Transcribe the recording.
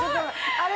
あれ？